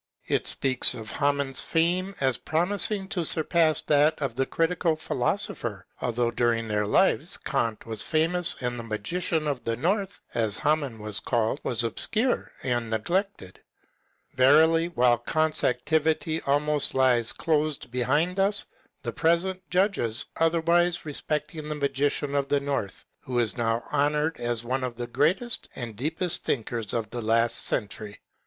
() It speaks of Hamann's fame as promising to surpass that of the Critical Philosopher, although during their lives Eant was famous and the '* Magician of the North," as Hamann was called, was obscure and neglected. '* Verily, while Eant's activity almost lies closed behind us, the present judges otherwise respecting the Magician of the North, who is now honoured as one of the greatest and deepest thinkers of last century."